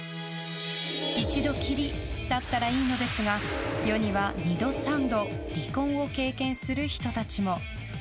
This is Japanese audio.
一度きりだったらいいのですが世には二度三度離婚を経験する人たちも。